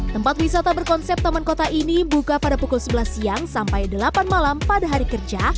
tempat wisata berkonsep taman kota ini buka pada pukul sebelas siang sampai delapan malam pada hari kerja